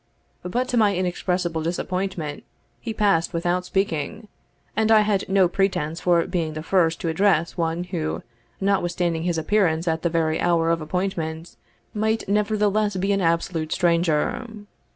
But to my inexpressible disappointment he passed without speaking, and I had no pretence for being the first to address one who, notwithstanding his appearance at the very hour of appointment, might nevertheless be an absolute stranger.